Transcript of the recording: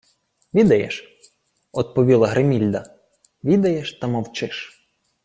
— Відаєш, — одповіла Гримільда. — Відаєш, та мовчиш.